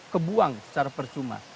kebuang secara percuma